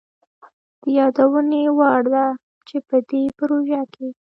د يادوني وړ ده چي په دې پروژه کي